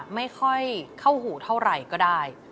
ไม่ค่อยเข้าหูเท่าไหร่ก็ได้